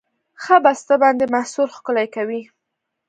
ښه بسته بندي محصول ښکلی کوي.